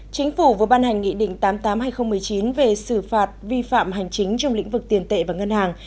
chính phủ vừa ban hành nghị định tám mươi tám hai nghìn một mươi chín về xử phạt vi phạm hành chính trong lĩnh vực tiền tệ và ngân hàng